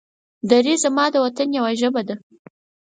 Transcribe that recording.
دري زما د وطن يوه ژبه ده.